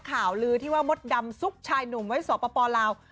ข่าวลือที่ว่ามดดำซุกชายหนุ่มไว้สปลาว